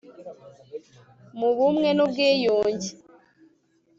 mu bumwe n'ubwiyunge